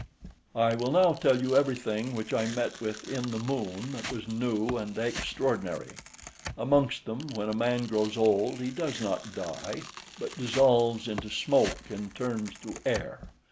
I will now tell you every thing which I met with in the Moon that was new and extraordinary. Amongst them, when a man grows old he does not die, but dissolves into smoke and turns to air.